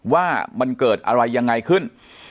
ว่ามันเกิดอะไรยังไงขึ้น